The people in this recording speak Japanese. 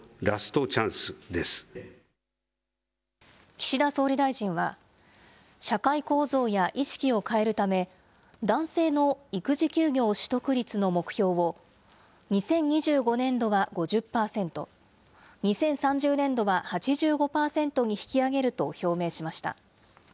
岸田総理大臣は、社会構造や意識を変えるため、男性の育児休業取得率の目標を、２０２５年は５０％、２０３０年度は８５％に引き上げると表明しました。